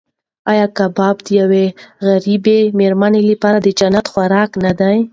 ایا کباب د یوې غریبې مېرمنې لپاره د جنت خوراک نه دی؟